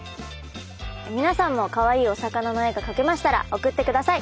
皆さんもかわいいお魚の絵が描けましたら送ってください。